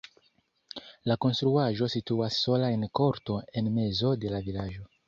La konstruaĵo situas sola en korto en mezo de la vilaĝo.